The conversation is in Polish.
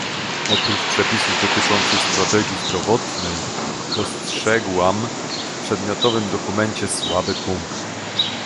Oprócz przepisów dotyczących strategii zdrowotnej, dostrzegłam w przedmiotowym dokumencie słaby punkt